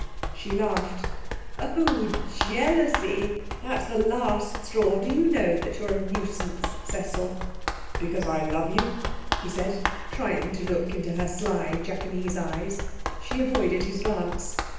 She laughed. 'Oh, jealousy! That's the last straw. Do you know that you're a nuisance, Cecil?' 'Because I love you?' he said, trying to look into her sly Japanese eyes. She avoided his glance.